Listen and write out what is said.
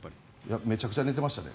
めちゃくちゃ寝てましたね。